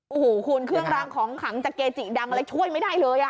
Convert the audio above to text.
โอ้โหคุณเครื่องรางของขังจากเกจิดังอะไรช่วยไม่ได้เลย